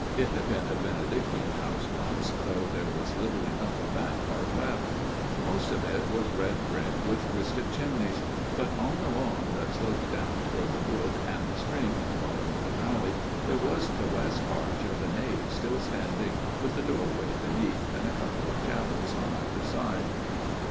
It had been a Benedictine house once, though there was little enough of that part left ; most of it was red brick with twisted chimneys, but on the lawn that sloped down toward the wood and the stream at the bottom of the valley there was the west arch of the nave still standing with the doorway beneath and a couple of chapels on either side.